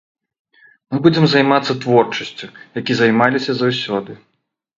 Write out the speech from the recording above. Мы будзем займацца творчасцю, як і займаліся заўсёды.